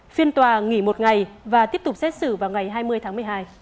phiên tòa nghỉ một ngày và tiếp tục xét xử vào ngày hai mươi tháng một mươi hai